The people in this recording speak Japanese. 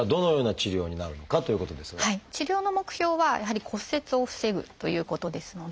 治療の目標はやはり骨折を防ぐということですので。